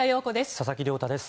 佐々木亮太です。